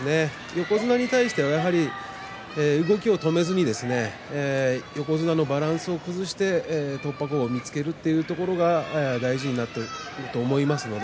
横綱に対してはやはり動きを止めずに横綱のバランスを崩して突破口を見つけるということは大事になってくると思いますね。